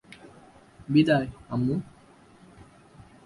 বিদায়, আম্মু।